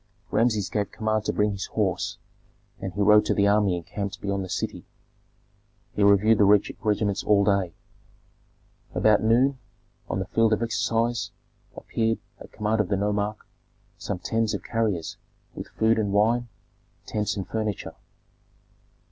Rameses gave command to bring his horse, and he rode to the army encamped beyond the city. He reviewed the regiments all day. About noon, on the field of exercise, appeared, at command of the nomarch, some tens of carriers with food and wine, tents and furniture.